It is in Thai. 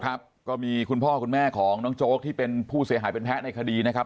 ครับก็มีคุณพ่อคุณแม่ของน้องโจ๊กที่เป็นผู้เสียหายเป็นแพ้ในคดีนะครับ